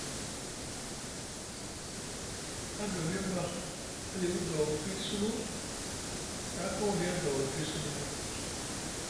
Adoliyo ɓa aliku doogo pii sulu taa kaw aliya doogo pii sulu lay.